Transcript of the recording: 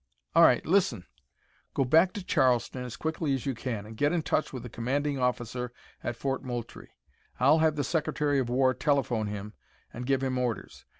All right, listen. Go back to Charleston as quickly as you can and get in touch with the commanding officer at Fort Moultrie. I'll have the Secretary of War telephone him and give him orders.